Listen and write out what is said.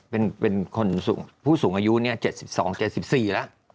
เป็นผู้สูงอายุ๗๒๗๔แล้ว